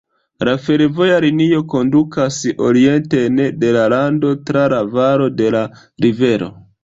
La fervoja linio kondukas orienten de la lando tra la valo de la rivero.